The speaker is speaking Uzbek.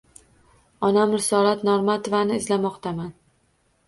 Onam Risolat Normatovani izlamoqdaman.